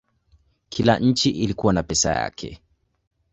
Kila nchi ilikuwa na pesa yake.